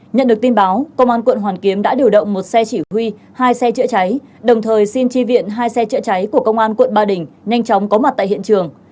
nhận được tin báo công an quận hoàn kiếm đã điều động một xe chỉ huy hai xe chữa cháy đồng thời xin tri viện hai xe chữa cháy của công an quận ba đình nhanh chóng có mặt tại hiện trường